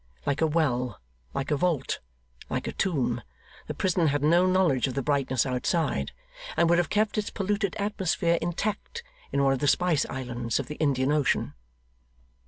Like a well, like a vault, like a tomb, the prison had no knowledge of the brightness outside, and would have kept its polluted atmosphere intact in one of the spice islands of the Indian ocean.